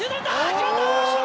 決まった！